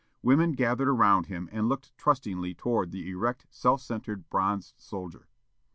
Women gathered around him and looked trustingly toward the erect, self centred, bronzed soldier.